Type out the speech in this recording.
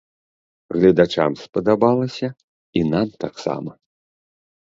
Гледачам спадабалася і нам таксама.